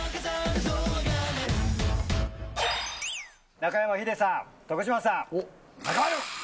中山ヒデさん、徳島さん、中丸。